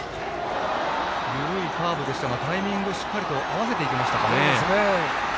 緩いカーブでしたがタイミングをしっかりと合わせていきましたね。